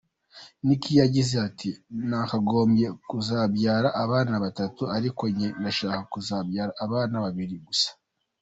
Nick yagize ati :« Nakagombye kuzabyara abana batatu, ariko njye ndashaka kuzabyara abana babiri gusa.